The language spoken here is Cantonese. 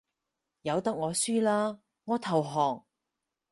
由得我輸啦，我投降